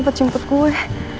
buat jemput gue